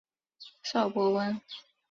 邵伯温。